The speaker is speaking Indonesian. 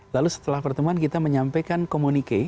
lalu setelah pertemuan kita menyampaikan komunike